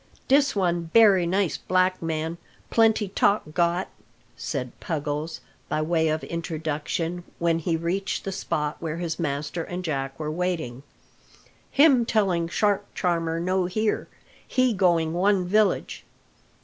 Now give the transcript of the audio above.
"Dis one bery nice black man; plenty talk got," said Puggles, by way of introduction, when he reached the spot where his master and Jack were waiting. "Him telling shark charmer no here; he going one village."